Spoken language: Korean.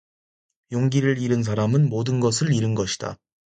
용기를 잃은 사람은 모든 것을 잃은 것이다.